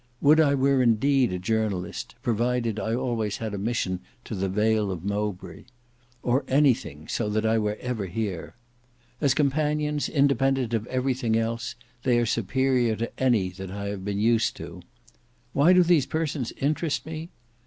Would I were indeed a journalist; provided I always had a mission to the vale of Mowbray. Or anything, so that I were ever here. As companions, independent of everything else, they are superior to any that I have been used to. Why do these persons interest me?